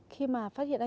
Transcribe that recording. khi mà phát hiện ra